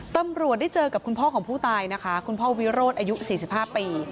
ตำรวจได้เจอกับคุณพ่อของผู้ตายนะคะคุณพ่อวิโรธอายุ๔๕ปี